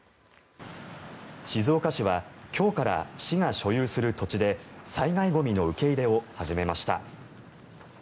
静岡市は今日から市が所有する土地で災害ゴミの受け入れを始めました。